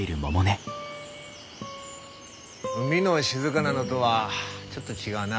海の静がなのとはちょっと違うな。